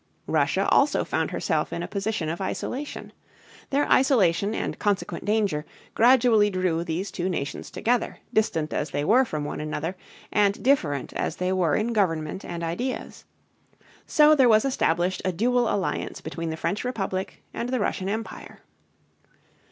Russia also found herself in a position of isolation. Their isolation and consequent danger gradually drew these two nations together, distant as they were from one another and different as they were in government and ideas. So there was established a dual alliance between the French Republic and the Russian Empire.